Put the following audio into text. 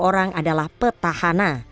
dpr ri adalah petahana